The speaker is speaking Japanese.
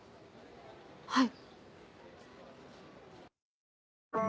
はい。